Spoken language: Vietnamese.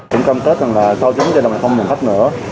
chị cầm kết rằng là sau chứng chứa là mình không mừng khách nữa